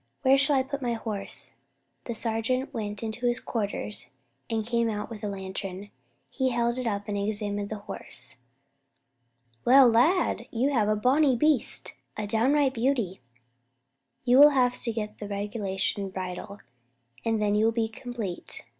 "Where shall I put my horse?" The sergeant went into his quarters and came out with a lantern. He held it up and examined the horse. "Well, lad, you have got a bonny beast, a downright beauty. You will have to get the regulation bridle, and then you will be complete.